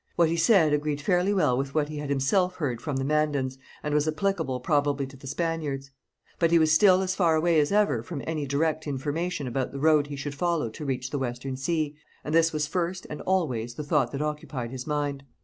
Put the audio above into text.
What he said agreed fairly well with what he had himself heard from the Mandans, and was applicable probably to the Spaniards. But he was still as far away as ever from any direct information about the road he should follow to reach the Western Sea, and this was first and always the thought that occupied his mind.